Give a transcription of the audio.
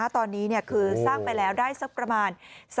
ตอนนี้คือสร้างไปแล้วได้สักประมาณ